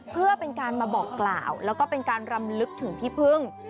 เพื่อเป็นการมาบอกกล่าวแล้วก็เป็นการรำลึกถึงพี่พึ่ง